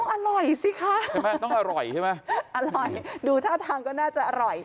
อร่อยสิคะใช่ไหมต้องอร่อยใช่ไหมอร่อยดูท่าทางก็น่าจะอร่อย